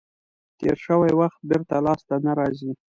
تیر شوی وخت بېرته لاس ته نه راځي.